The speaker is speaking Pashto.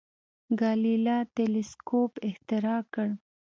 ګالیله تلسکوپ اختراع کړ.